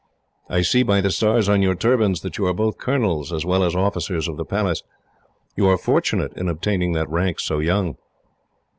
"I see, by the stars on your turbans, that you are both colonels as well as officers of the Palace. You are fortunate in obtaining that rank so young."